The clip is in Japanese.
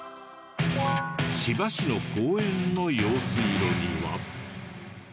千葉市の公園の用水路には。